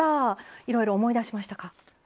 いろいろ思い出しましたか？